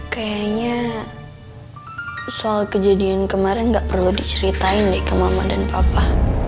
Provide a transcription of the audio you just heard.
kayaknya soal kejadian kemarin nggak perlu diceritain deh ke mama dan papa